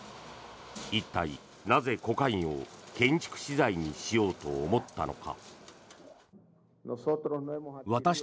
一体、なぜコカインを建築資材にしようと思ったのか。